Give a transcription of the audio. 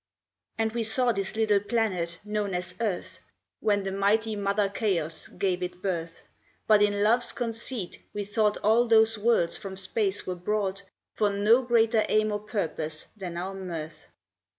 And we saw this little planet known as Earth, When the mighty Mother Chaos gave it birth; But in love's conceit we thought all those worlds from space were brought, For no greater aim or purpose than our mirth.